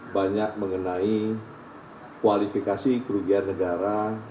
banyak mengenai kualifikasi kerugian negara